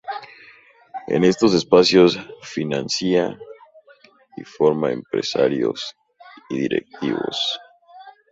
En estos espacios financia y forma a empresarios y directivos.